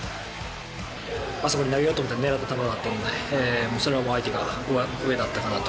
あそこに投げようと狙った球だったので、それは相手が上だったかなと。